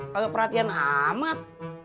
kalau perhatian amat